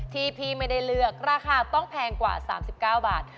ที่พี่ไม่ได้เลือกราคาต้องแพงกว่า๓๙บาท